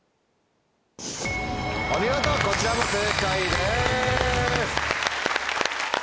お見事こちらも正解です。